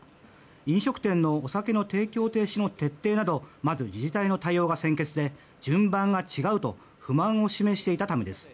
飲食店のお酒の提供停止の徹底などまず自治体の対応が先決で順番が違うと不満を示していたためです。